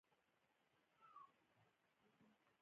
ژېړې مڼې ډېرې خوږې وي.